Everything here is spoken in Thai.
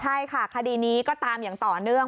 ใช่ค่ะคดีนี้ก็ตามอย่างต่อเนื่อง